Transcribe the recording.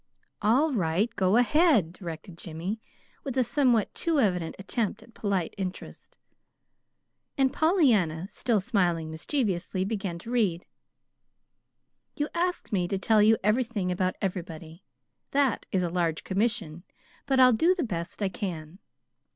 "All right. Go ahead!" directed Jimmy, with a somewhat too evident attempt at polite interest. And Pollyanna, still smiling mischievously, began to read. "You ask me to tell you everything about everybody. That is a large commission, but I'll do the best I can.